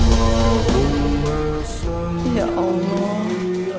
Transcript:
ya berlipat lipat lah